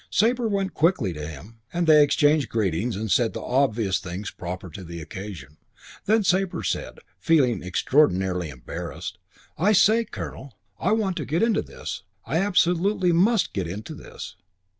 Sabre went quickly to him and they exchanged greetings and said the obvious things proper to the occasion. Then Sabre said, feeling extraordinarily embarrassed, "I say, Colonel, I want to get into this. I absolutely must get into this."